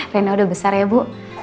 rena udah besar ya bu